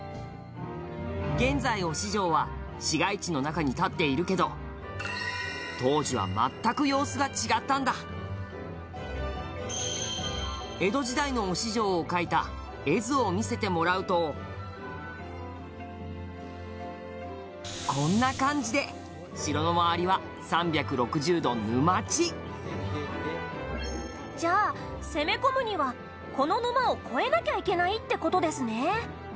現在、忍城は市街地の中に立っているけど当時は、全く様子が違ったんだ江戸時代の忍城を描いた絵図を見せてもらうとこんな感じで城の周りは、３６０度沼地じゃあ、攻め込むにはこの沼を越えなきゃいけないって事ですね？